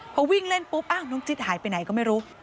พอวิ่งเล่นปุ๊บน้องจิ๊ดหายไปไหนก็ไม่รู้